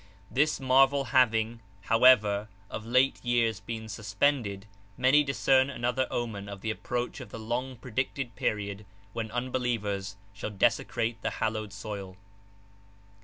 This marvel having, however, of late years been suspended, many discern another omen of the approach of the long predicted period when unbelievers shall desecrate the hallowed soil.